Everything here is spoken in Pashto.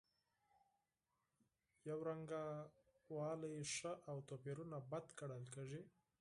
یوشانوالی ښه او توپیرونه بد ګڼل کیږي.